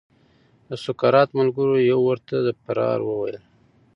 د سقراط ملګریو ورته د فرار وویل.